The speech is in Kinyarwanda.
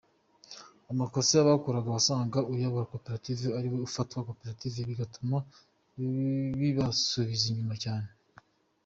Amakosa bakoraga wasangaga uyoboye koperative ariwe ufatwa nka koperative bigatuma bibasubiza inyuma cyane.